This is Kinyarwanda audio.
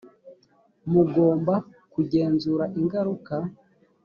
mugomba kugenzura ingaruka.